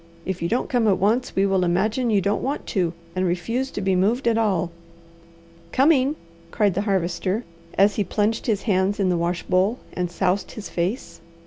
If you don't come at once we will imagine you don't want to, and refuse to be moved at all." "Coming!" cried the Harvester, as he plunged his hands in the wash bowl and soused his face.